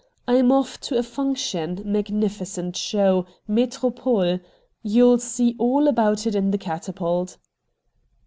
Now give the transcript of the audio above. ' I'm off to a function, magnificent show, Metropole — you'll see all about it in the ' Catapult.'